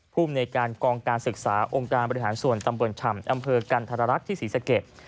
ภูมิในการกองการศึกษาองค์การบริหารส่วนตำบลฉ่ำอำเภอกันธรรักษ์ที่ศรีสะเกด